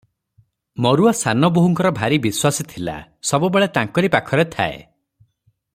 ମରୁଆ ସାନ ବୋହୂଙ୍କର ଭାରି ବିଶ୍ୱାସୀ ଥିଲା, ସବୁବେଳେ ତାଙ୍କରି ପାଖରେ ଥାଏ ।